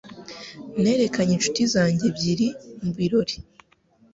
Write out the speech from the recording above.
Nerekanye inshuti zanjye ebyiri mubirori.